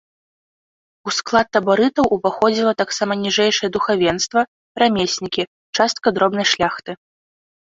У склад табарытаў уваходзіла таксама ніжэйшае духавенства, рамеснікі, частка дробнай шляхты.